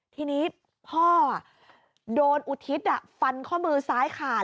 ทีนี้พ่อโดนอุทิศฟันข้อมือซ้ายขาด